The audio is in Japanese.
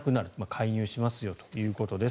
介入しますよということです。